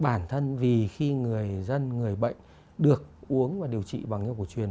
bản thân vì khi người dân người bệnh được uống và điều trị bằng yo cổ truyền